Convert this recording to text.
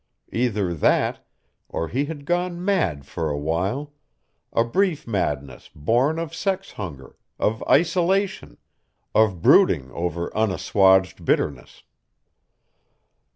Either that, or he had gone mad for a while, a brief madness born of sex hunger, of isolation, of brooding over unassuaged bitterness.